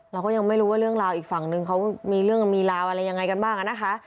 เราก็ยังไม่รู้ว่าเรื่องราวอีกฝั่งนึงเขามีเรื่องมีราวอะไรยังไงกันบ้างนะคะ